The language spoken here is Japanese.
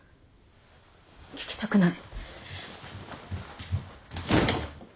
聞きたくない。